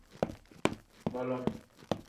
Bolom.